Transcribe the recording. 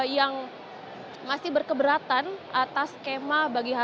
yang masih berkeberatan atas skema